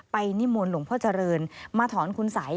นิมนต์หลวงพ่อเจริญมาถอนคุณสัย